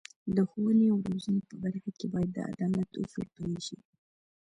د ښوونې او روزنې په برخه کې باید د عدالت اصول پلي شي.